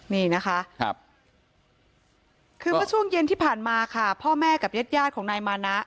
นี่นะคะคือไว้ช่วงเย็นที่ผ่านมาค่ะพ่อแม่กับญาติของนายมานะ